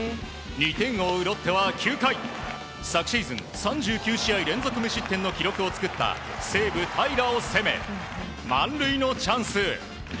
２点を追うロッテは９回、昨シーズン３９試合連続無失点の記録を作った西武、平良を攻め満塁のチャンス。